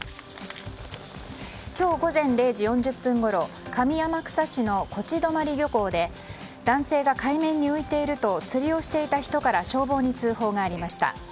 今日午前０時４０分ごろ上天草市の東風留漁港で男性が海面に浮いていると釣りをしていた人から消防に通報がありました。